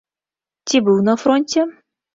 Ці быў на фронце?